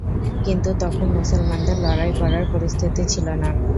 কিন্তু তখন মুসলমানদের লড়াই করার পরিস্থিতি ছিল না।